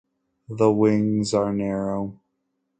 The wings are narrow.